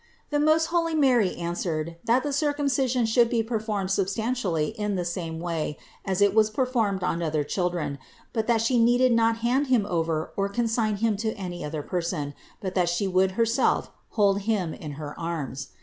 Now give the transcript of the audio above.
521. The most holy Mary answered, that the Circum cision should be performed substantially in the same way as it was performed on other children : but that She need not hand Him over or consign Him to any other person, but that She would herself hold Him in her arms.